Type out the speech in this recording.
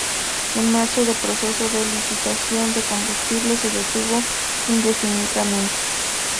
En marzo el proceso de licitación de combustibles se detuvo indefinidamente.